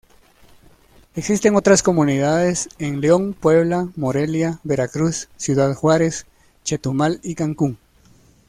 Existen otras comunidades en León, Puebla, Morelia, Veracruz, Ciudad Juárez, Chetumal y Cancún.